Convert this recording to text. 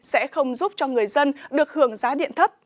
sẽ không giúp cho người dân được hưởng giá điện thấp